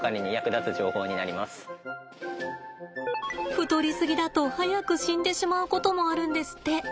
太りすぎだと早く死んでしまうこともあるんですって。